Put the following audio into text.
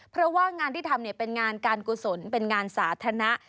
เพราะว่างานที่ทำเป็นงานการกุศลเป็นงานสาธารณะ